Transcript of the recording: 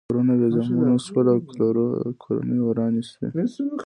پلرونه بې زامنو شول او کورنۍ ورانې شوې.